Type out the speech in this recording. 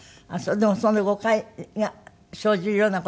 でもそんな誤解が生じるような事があったの？